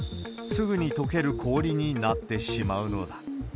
すぐにとける氷になってしまうのだ。